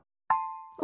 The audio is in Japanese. お！